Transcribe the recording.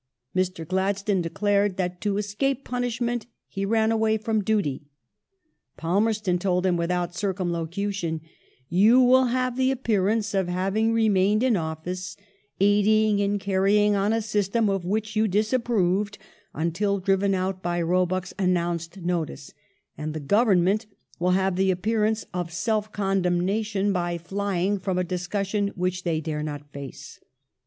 Mr. Gladstone declared that " to escape punishment he ran away from duty ". Palmei ston told him without circumlocution :" You will have the appearance of hav ing remained in office, aiding in carrying on a system of which you disapproved until driven out by Roebuck's announced notice, and the Government will have the appearance of self condemnation by flying from a discussion which they dai*e not face